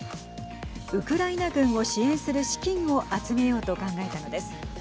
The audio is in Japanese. ウクライナ軍を支援する資金を集めようと考えたのです。